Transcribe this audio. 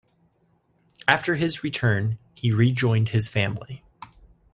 After his return, he rejoined his family.